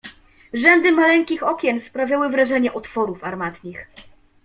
"Rzędy maleńkich okien sprawiały wrażenie otworów armatnich."